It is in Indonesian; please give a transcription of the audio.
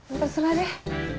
ntar sengaja deh